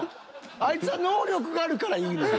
あいつは能力があるからいいねん。